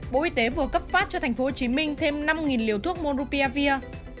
bộ y tế vừa cấp phát cho thành phố hồ chí minh thêm năm liều thuốc monopiravir